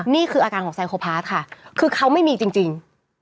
นี่คืออาการของไซโคพาร์ทค่ะคือเขาไม่มีจริง